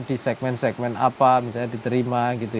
di segmen segmen apa misalnya diterima gitu